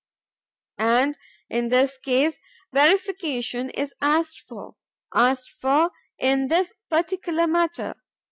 And in this case verification is asked for, asked for in this particular matter.